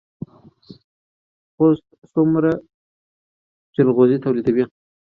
خوست څومره جلغوزي تولیدوي؟